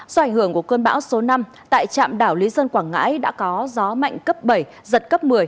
do ảnh hưởng của cơn bão số năm tại trạm đảo lý sơn quảng ngãi đã có gió mạnh cấp bảy giật cấp một mươi